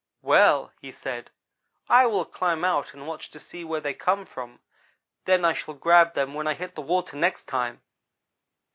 "'Well,' he said, 'I will climb out and watch to see where they come from; then I shall grab them when I hit the water next time.'